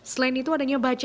selain itu adanya berikutnya